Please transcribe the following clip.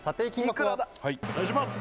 富澤：お願いします！